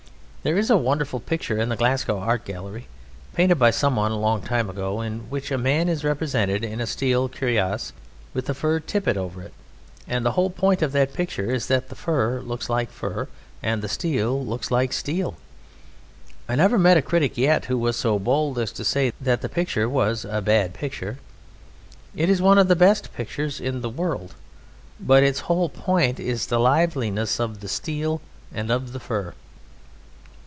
There is a wonderful picture in the Glasgow Art Gallery, painted by someone a long time ago, in which a man is represented in a steel cuirass with a fur tippet over it, and the whole point of that picture is that the fur looks like fur and the steel looks like steel. I never met a critic yet who was so bold as to say that picture was a bad picture. It is one of the best pictures in the world; but its whole point is the liveliness of the steel and of the fur.